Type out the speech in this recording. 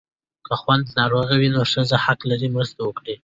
که خاوند ناروغ وي، ښځه حق لري مرسته وکړي.